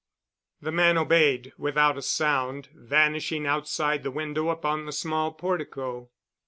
The man obeyed, without a sound, vanishing outside the window upon the small portico.